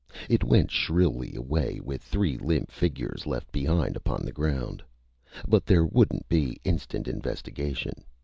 It went shrilly away with three limp figures left behind upon the ground. But there wouldn't be instant investigation.